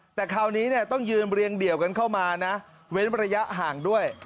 แต่คราวนี้ต้องยืนเรียงเดี่ยวกันเข้ามานะเว้นระยะห่างด้วย